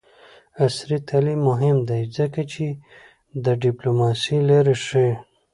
عصري تعلیم مهم دی ځکه چې د ډیپلوماسۍ لارې ښيي.